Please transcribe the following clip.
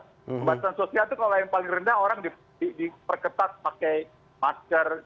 pembatasan sosial itu kalau yang paling rendah orang diperketat pakai masker